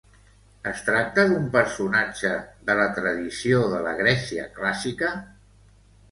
Es tracta d'un personatge de la tradició de la Grècia clàssica?